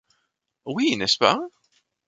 Oui, n'est-ce pas ?